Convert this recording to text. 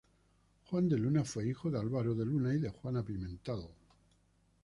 Juan de Luna fue hijo de Álvaro de Luna y de Juana Pimentel.